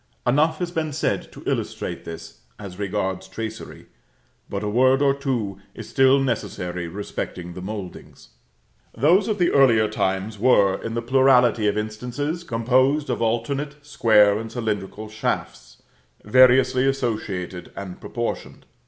Enough has been said to illustrate this, as regards tracery; but a word or two is still necessary respecting the mouldings. Those of the earlier times were, in the plurality of instances, composed of alternate square and cylindrical shafts, variously associated and proportioned.